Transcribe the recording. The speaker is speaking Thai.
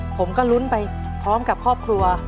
ผมก็ลุ้นไปพร้อมกับครอบครัว